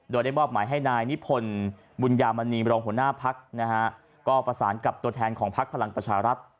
โดยได้มอบหมายให้นายนิพนธ์บุญญามณีรองหัวหน้าพักนะฮะก็ประสานกับตัวแทนของพักพลังประชารัฐ